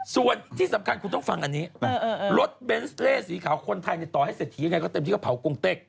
ส่วนที่สำคัญคุณต้องฟังอันนี้รถเบนส์เล่สีขาวคนไทยต่อให้เศรษฐียังไงก็เต็มที่เขาเผากงเต็ก